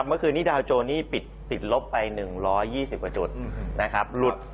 เมื่อคืนนี้ดาวโจนนี่ปิดลบไป๑๒๐กว่าจุด